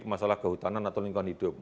masalah kehutanan atau lingkungan hidup